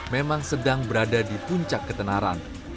memang sedang berada di puncak ketenaran